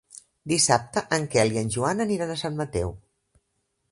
Dissabte en Quel i en Joan aniran a Sant Mateu.